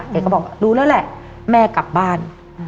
แกก็บอกรู้แล้วแหละแม่กลับบ้าน